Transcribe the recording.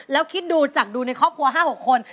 แล้วคิดดูจากดูในครอบครัว๕๖คน